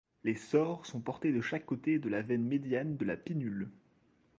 Les sores sont portés de chaque côté de la veine médiane de la pinnule.